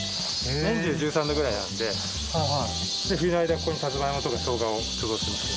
年中１３度くらいあって冬の間ここにさつまいもとかしょうがを貯蔵してます。